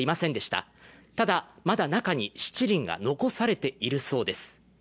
ただ、まだ中にしちりんが残されているそうです。